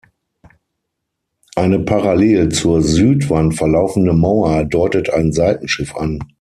Eine parallel zur Südwand verlaufende Mauer deutet ein Seitenschiff an.